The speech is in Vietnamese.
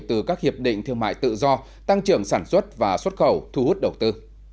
từ các hiệp định thương mại tự do tăng trưởng sản xuất và xuất khẩu thu hút đầu tư